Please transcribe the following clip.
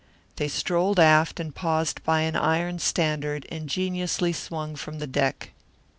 They strolled aft and paused by an iron standard ingeniously swung from the deck.